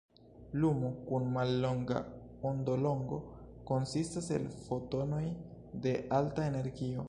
Lumo kun mallonga ondolongo konsistas el fotonoj de alta energio.